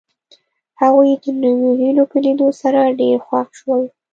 هغوی د نویو هیلو په لیدو سره ډېر خوښ شول